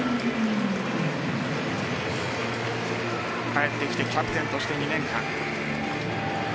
帰ってきてキャプテンとして２年間。